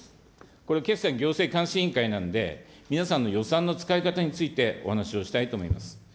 これ、けっさい行政監視委員会なんで、皆さんの予算の使い方についてお話をしたいと思います。